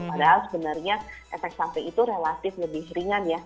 padahal sebenarnya efek samping itu relatif lebih ringan ya